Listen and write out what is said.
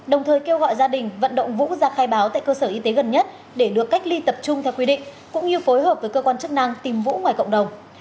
đồng thời kêu gọi gia đình vận động vũ ra khai báo tại cơ sở y tế gần nhất để được cách ly tập trung theo quy định cũng như phối hợp với cơ quan chức năng tìm vũ ngoài cộng đồng